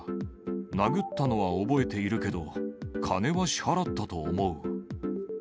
殴ったのは覚えているけど、金は支払ったと思う。